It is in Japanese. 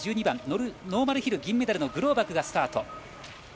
１２番ノーマルヒル銀メダルのグローバクがスタート。